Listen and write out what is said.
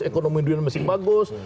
ekonomi duit masih bagus